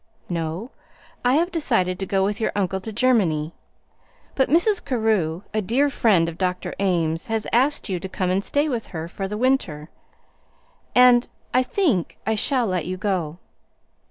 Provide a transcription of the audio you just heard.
"No; I have decided to go with your uncle to Germany. But Mrs. Carew, a dear friend of Dr. Ames, has asked you to come and stay with her for the winter, and I think I shall let you go."